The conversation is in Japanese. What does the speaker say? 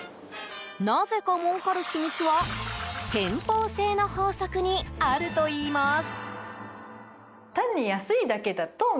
なぜか、もうかる秘密は返報性の法則にあるといいます。